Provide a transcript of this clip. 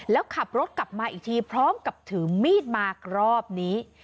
แล้วขับรถกลับมาอีกทีพร้อมกับถือมีดมารอบนี้